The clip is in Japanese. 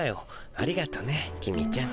ありがとね公ちゃん。